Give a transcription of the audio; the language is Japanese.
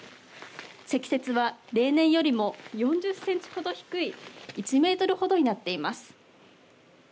積雪は例年よりも４０センチほど低い１メートルほどになっています。